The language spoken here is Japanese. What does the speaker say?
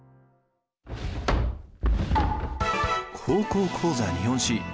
「高校講座日本史」。